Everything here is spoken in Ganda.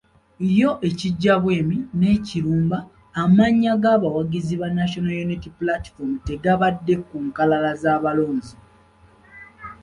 Yo e Kijjabwemi ne Kirumba amannya ga bawagizi ba National Unity Platform tegabadde ku nkalala z’abalonzi.